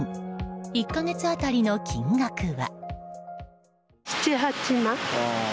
１か月当たりの金額は。